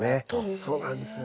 そうなんですね。